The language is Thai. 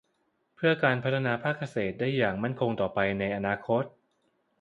เพื่อการพัฒนาภาคเกษตรได้อย่างมั่นคงต่อไปในอนาคต